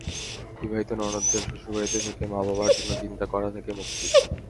বিবাহিত ননদদের শ্বশুর বাড়িতে থেকে মা-বাবার জন্য চিন্তা করা থেকে মুক্তি।